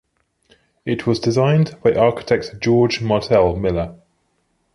It was designed by architect George Martel Miller.